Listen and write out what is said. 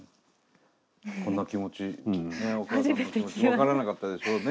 こんな気持ちお母さんの気持ち分からなかったでしょうね。